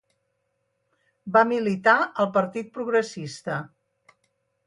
Va militar al Partit Progressista.